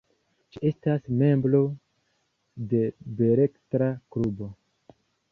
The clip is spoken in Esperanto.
Ŝi estas membro de beletra klubo.